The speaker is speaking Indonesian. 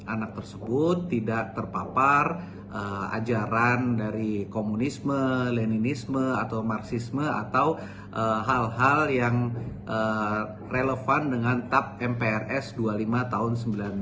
anak tersebut tidak terpapar ajaran dari komunisme leninisme atau marxisme atau hal hal yang relevan dengan tap mprs dua puluh lima tahun seribu sembilan ratus sembilan puluh